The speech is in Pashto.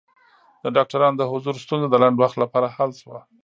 د ډاکټرانو د حضور ستونزه د لنډ وخت لپاره حل شوه.